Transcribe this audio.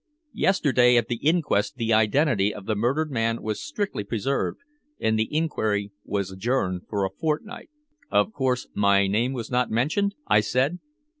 Yesterday at the inquest the identity of the murdered man was strictly preserved, and the inquiry was adjourned for a fortnight." "Of course my name was not mentioned?" I said.